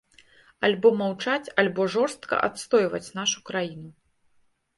Альбо маўчаць, альбо жорстка адстойваць нашу краіну.